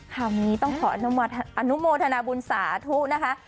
คราวนี้ต้องขออนุโมทนาบุญสาธุนะคะ